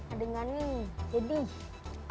adegan ini sedih